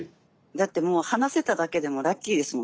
だってもう話せただけでもラッキーですもん。